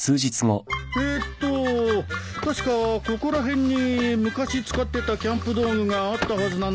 えっと確かここら辺に昔使ってたキャンプ道具があったはずなんだけどなあ。